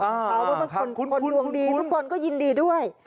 เขาก็เป็นคนดวงดีทุกคนก็ยินดีด้วย